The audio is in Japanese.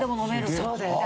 そうだよね。